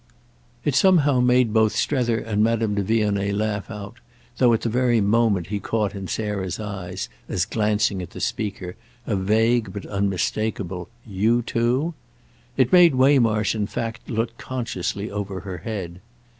It somehow made both Strether and Madame de Vionnet laugh out, though at the very moment he caught in Sarah's eyes, as glancing at the speaker, a vague but unmistakeable "You too?" It made Waymarsh in fact look consciously over her head.